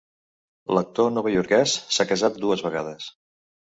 L'actor novaiorquès s'ha casat dues vegades.